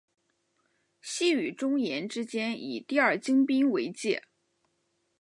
西与中延之间以第二京滨为界。